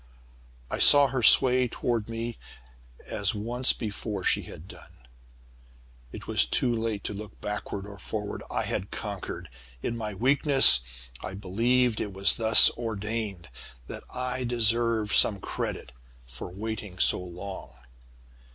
"I saw her sway toward me as once before she had done. It was too late to look backward or forward. I had conquered. In my weakness I believed it was thus ordained that I deserved some credit for waiting so long.